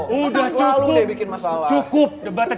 lo yang bikin masalah